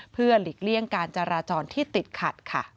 เพื่อหลีกเลี่ยงการจราจรที่ติดขัดค่ะ